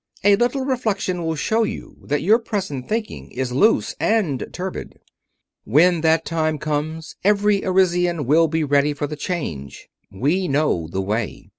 A little reflection will show you that your present thinking is loose and turbid. When that time comes, every Arisian will be ready for the change. We know the way.